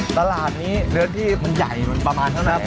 ตลาดนี้เนื้อที่มันใหญ่มันประมาณเท่านั้น